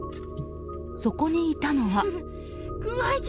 そこにいたのは。